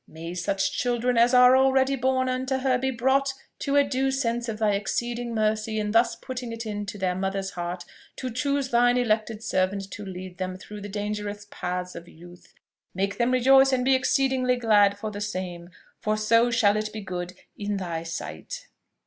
May such children as are already born unto her be brought to a due sense of thy exceeding mercy in thus putting it into their mother's heart to choose thine elected servant to lead them through the dangerous paths of youth; make them rejoice and be exceeding glad for the same, for so shall it be good in thy sight!"